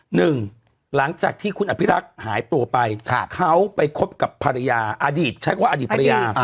หลังจากที่คุณอภิรักษ์หายตัวไปเขาไปคบกับภรรยาอดีตใช้คำว่าอดีตภรรยา